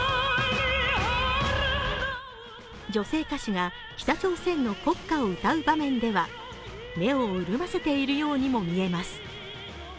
女性歌手が北朝鮮の国歌を歌う場面では目を潤ませているようにも見えます。